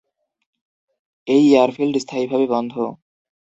এই এয়ারফিল্ড স্থায়ীভাবে বন্ধ।